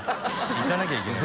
行かなきゃいけない。